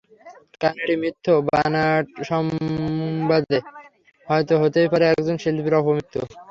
কারণ একটি মিথ্যে, বানোয়াট সংবাদে হয়তো হতেই পারে একজন শিল্পীর অপমৃত্যু।